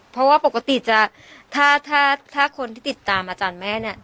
เพราะว่าปกติจะถ้าคนที่ติดตามอาจารย์แม่เนี่ย